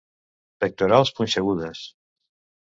Pectorals punxegudes.